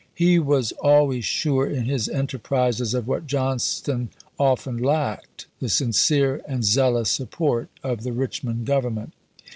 He was always sure in his enterprises of what Johnston often lacked, the sincere and zeal ous support of the Richmond Government.